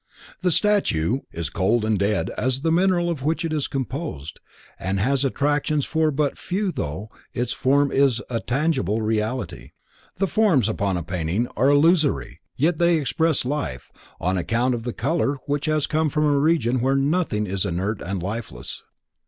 The statue is cold and dead as the mineral of which it is composed and has attractions for but few though its form is a tangible reality. The forms upon a painting are illusory yet they express life, on account of the color which has come from a region where nothing is inert and lifeless.